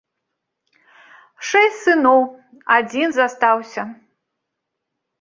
Шэсць сыноў, адзін застаўся.